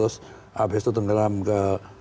habis itu tenggelam ke